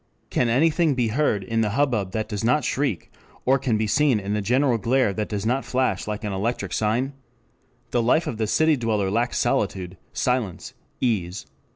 Can anything be heard in the hubbub that does not shriek, or be seen in the general glare that does not flash like an electric sign? The life of the city dweller lacks solitude, silence, ease.